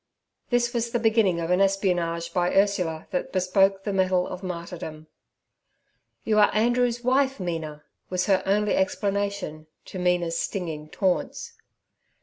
This was the beginning of an espionage by Ursula that bespoke the mettle of martyrdom. 'You are Andrew's wife, Mina' was her only explanation to Mina's stinging taunts.